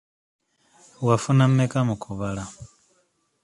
Wafuna mmeka mu kubala?